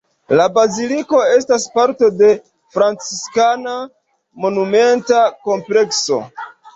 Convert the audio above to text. La baziliko estas parto de franciskana monumenta komplekso.